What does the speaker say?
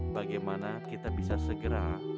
bagaimana kita bisa segera